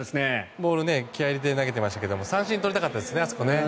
ボールも気合入れて投げてましたけど三振取りたかったですね。